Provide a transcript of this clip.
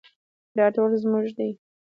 دا ټول زموږ دي